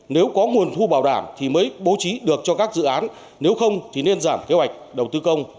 nếu có nguồn thu bảo đảm thì mới bố trí được cho các dự án nếu không thì nên giảm kế hoạch đầu tư công